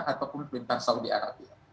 ataupun pemerintah saudi arabia